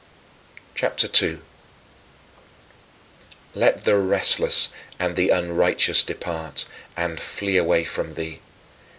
CHAPTER II 2. Let the restless and the unrighteous depart, and flee away from thee.